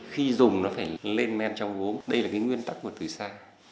khi dùng nó phải lên men trong gốm đây là cái nguyên tắc mà từ xa